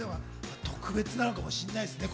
特別なのかもしれないですけど。